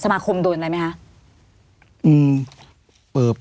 สมาคมโดนอะไรไหมคะ